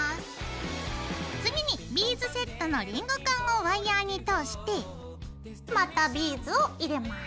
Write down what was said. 次にビーズセットのリングカンをワイヤーに通してまたビーズを入れます。